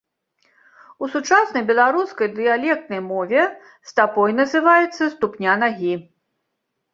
У сучаснай беларускай дыялектнай мове стапой называецца ступня нагі.